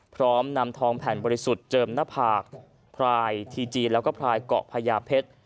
พร้อมนำทองแผ่นบริสุทธิ์เจิมหน้าผากพรายทีจีนแล้วก็พลายเกาะพญาเพชร